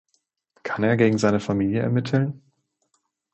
Kann er gegen seine Familie ermitteln?